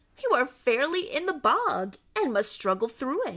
You are fairly in the bog, and must struggle through."